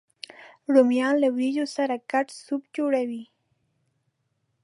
رومیان له ورېجو سره ګډ سوپ جوړوي